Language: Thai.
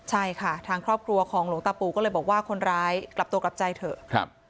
ใช่ค่ะทางครอบครัวของหลวงตาปูก็เลยบอกว่าคนร้ายกลับตัวกลับใจเถอะ